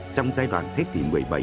trong giai đoạn thế kỷ một mươi bảy